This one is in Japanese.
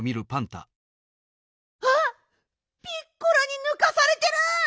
あっピッコラにぬかされてる！